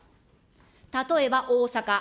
例えば、大阪。